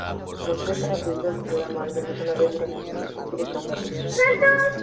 Los tres han acudido al programa, al menos una vez, durante sus respectivos mandatos.